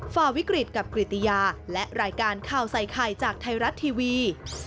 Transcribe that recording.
ฝ่าวิกฤตกับกริตยาและรายการข่าวใส่ไข่จากไทยรัฐทีวี